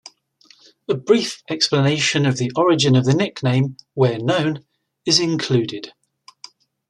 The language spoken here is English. A brief explanation of the origin of the nickname, where known, is included.